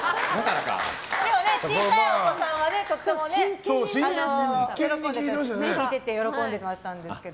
でも小さいお子さんは見ててとても喜んでたんですけど。